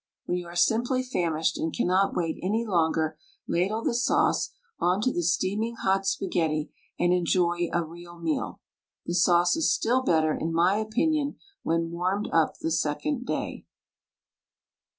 When you are simply famished and cannot wait any longer, ladle the sauce onto the steaming hot spaghetti and enjoy a real meal. The sauce is still better, in my opinion, when warmed up the second day.